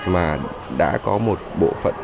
mà đã có một bộ phận